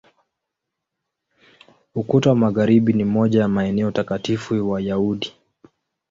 Ukuta wa Magharibi ni moja ya maeneo takatifu Wayahudi.